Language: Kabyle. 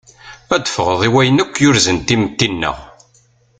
Ad ffɣeḍ i wayen akk yurzen timetti-nneɣ.